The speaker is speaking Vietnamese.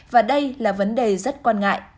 và đây là vấn đề rất quan ngại